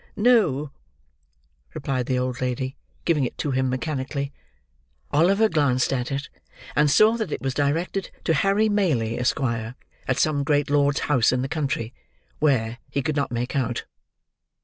"No," replied the old lady, giving it to him mechanically. Oliver glanced at it, and saw that it was directed to Harry Maylie, Esquire, at some great lord's house in the country; where, he could not make out.